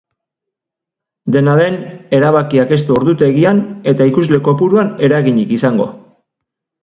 Dena den, erabakiak ez du ordutegian eta ikusle kopuruan eraginik izango.